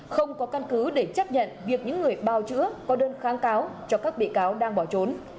không có căn cứ để chấp nhận việc những người bào chữa có đơn kháng cáo cho các bị cáo đang bỏ trốn